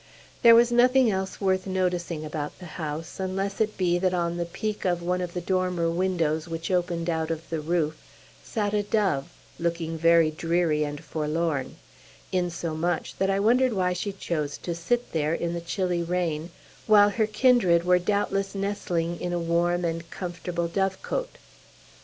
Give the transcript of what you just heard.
There was nothing else worth noticing about the house, unless it be that on the peak of one of the dormer windows which opened out of the roof sat a dove, looking very dreary and forlorn; insomuch that I wondered why she chose to sit there, in the chilly rain, while her kindred were doubtless nestling in a warm and comfortable dove cote.